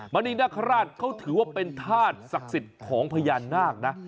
มณีนคราชเขาถือว่าเป็นธาตุศักดิ์สิทธิ์ของพญานาคนะ